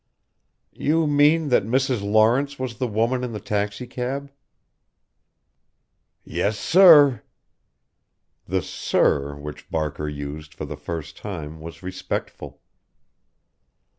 "You mean that Mrs. Lawrence was the woman in the taxicab?" "Yes, sir." The "sir," which Barker used for the first time was respectful.